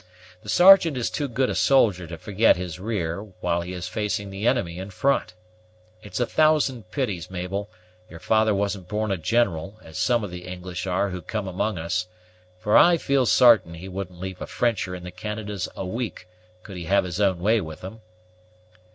The Sergeant is too good a soldier to forget his rear while he is facing the enemy in front. It's a thousand pities, Mabel, your father wasn't born a general, as some of the English are who come among us; for I feel sartain he wouldn't leave a Frencher in the Canadas a week, could he have his own way with them."